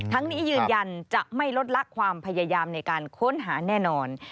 นี้ยืนยันจะไม่ลดละความพยายามในการค้นหาแน่นอน